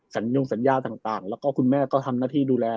ยงสัญญาต่างแล้วก็คุณแม่ก็ทำหน้าที่ดูแล